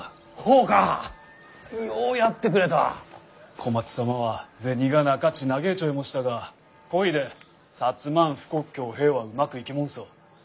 小松様は銭がなかち嘆いちょいもしたがこいで摩ん富国強兵はうまくいきもんそ。